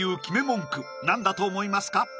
文句何だと思いますか？